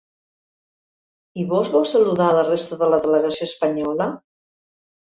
I vós vau saludar la resta de la delegació espanyola?